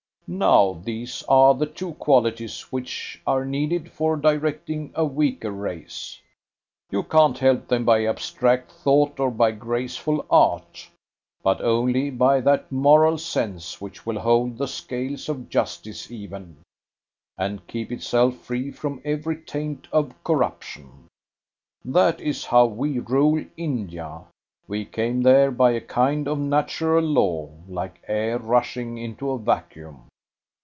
Now, these are the two qualities which are needed for directing a weaker race. You can't help them by abstract thought or by graceful art, but only by that moral sense which will hold the scales of Justice even, and keep itself free from every taint of corruption. That is how we rule India. We came there by a kind of natural law, like air rushing into a vacuum.